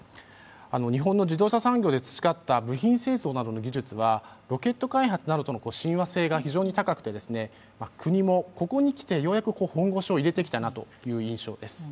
日本の自動車産業で培った部品製造などの技術は、ロケット開発などとの親和性が非常に高くてですね、国もここにきてようやく本腰を入れてきたなという印象です。